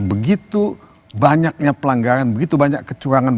begitu banyaknya pelanggaran begitu banyak kecurangan